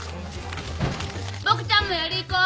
・ボクちゃんもやり行こう。